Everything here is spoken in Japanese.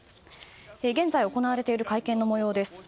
現在行われている会見の模様です。